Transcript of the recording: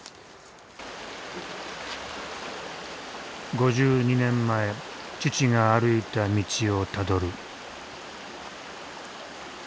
５２年前父が歩いた道をたどる。